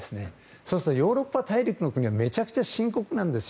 そうするとヨーロッパ大陸の国はめちゃくちゃ深刻なんですよ